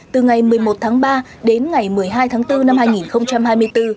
từ ngày một mươi một tháng ba đến ngày một mươi hai tháng bốn năm hai nghìn hai mươi bốn